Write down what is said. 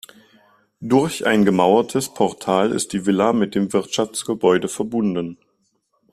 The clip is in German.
Durch ein gemauertes Portal ist die Villa mit dem Wirtschaftsgebäude verbunden.